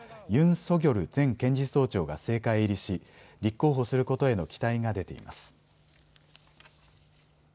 ソギョル前検事総長が政界入りし立候補することへの期待が出ています。